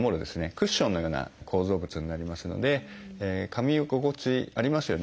クッションのような構造物になりますのでかみ心地ありますよね